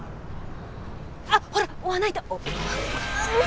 あっほら追わないと！